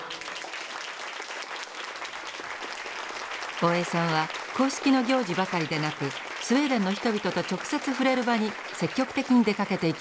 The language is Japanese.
大江さんは公式の行事ばかりでなくスウェーデンの人々と直接触れる場に積極的に出かけていきました。